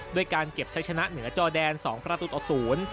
ด้วยการเก็บใช้ชนะเหนือจอแดน๒ประตูต่อศูนย์